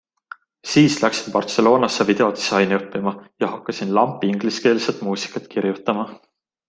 Siis läksin Barcelonasse videodisaini õppima ja hakkasin lampi ingliskeelset muusikat kirjutama.